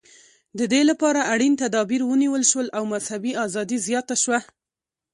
دې لپاره اړین تدابیر ونیول شول او مذهبي ازادي زیاته شوه.